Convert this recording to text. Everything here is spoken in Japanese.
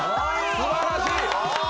すばらしい！